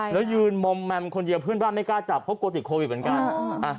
แล้วยืนมอมแมมคนเดียวเพื่อนบ้านไม่กล้าจับเพราะกลัวติดโควิดเหมือนกัน